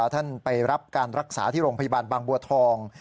ท่านไปรับการรักษาที่โรงพยาบาลบางบัวทอง